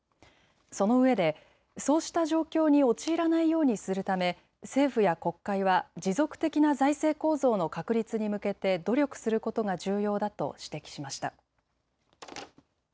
そのうえでそうした状況に陥らないようにするため政府や国会は持続的な財政構造の確立に向けて努力することが重要だと指摘しました。